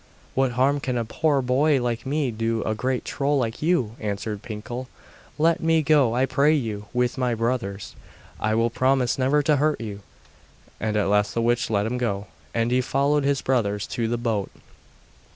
'What harm can a poor boy like me do a great Troll like you?' answered Pinkel. 'Let me go, I pray you, with my brothers. I will promise never to hurt you.' And at last the witch let him go, and he followed his brothers to the boat.